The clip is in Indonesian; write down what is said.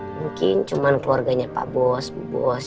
mungkin cuma keluarganya pak bos bos